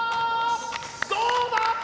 どうだ？